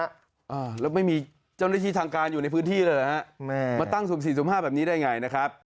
อ่าแล้วไม่มีเจ้าหน้าที่ทางการอยู่ในพื้นที่เลยเหรอฮะแม่มาตั้งสุ่มสี่สุ่มห้าแบบนี้ได้ไงนะครับ